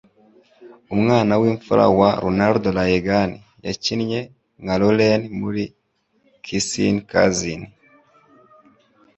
Umwana w'imfura wa Ronald Reagan, yakinnye nka Lorraine muri "Kissin 'Cousins"